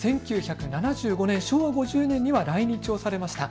１９７５年、昭和５０年に来日をされました。